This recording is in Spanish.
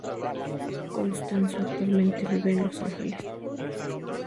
Costanzo actualmente viven en Los Ángeles.